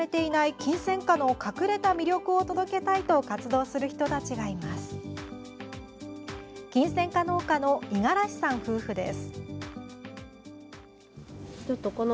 キンセンカ農家の五十嵐さん夫婦です。